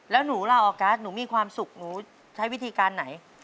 แล้วหนูล่ะออกัสหนูมีความสุขหนูใช้วิธีการไหน